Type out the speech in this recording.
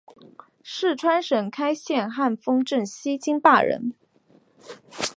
四川省开县汉丰镇西津坝人。